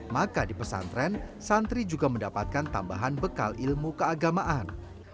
maka di pesantren santri juga mendapatkan tambahan bekal ilmu keagamaan